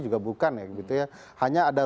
juga bukan ya hanya ada